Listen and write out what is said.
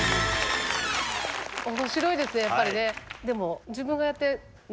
面白いですねやっぱりね。